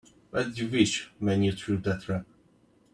What'd you wish when you threw that rock?